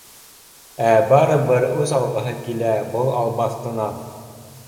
Ә барыбер үс алғыһы килә был албаҫтынан